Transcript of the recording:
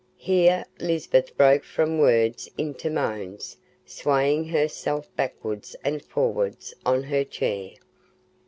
Here Lisbeth broke from words into moans, swaying herself backwards and forwards on her chair.